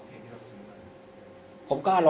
คุณพูดไว้แล้วตั้งแต่ต้นใช่ไหมคะ